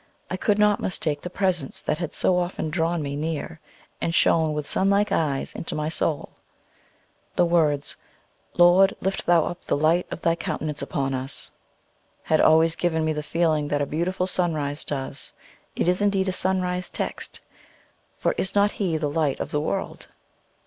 I could not mistake the Presence that had so often drawn near me and shone with sunlike eyes into my soul. The words, "Lord, lift Thou up the light of thy countenance upon us!" had always given me the feeling that a beautiful sunrise does. It is indeed a sunrise text, for is not He the Light of the World?